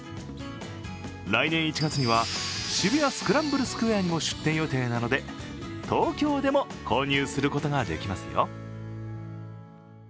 来年１月には渋谷スクランブルスクエアにも出店予定なので東京でも購入することができますよ。